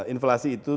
inflasi itu tiga dua